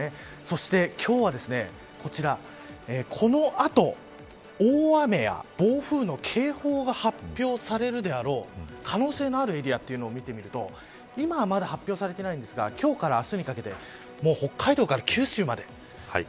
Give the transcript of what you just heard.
そして今日は、こちらこの後、大雨や暴風の警報が発表されるであろう可能性のあるエリアというのを見てみると今はまだ発表されてないんですが今日から明日にかけて北海道から九州まで。